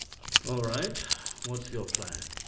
"All right. What's your plan?"